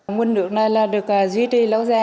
nguồn nước này là được duy trì lâu ra